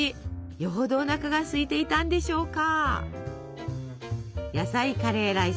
よほどおなかがすいていたんでしょうか。